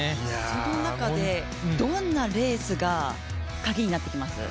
その中でどんなレースがカギになってきます。